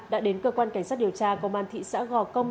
đã đến cơ quan cảnh sát điều tra công an thị xã gò công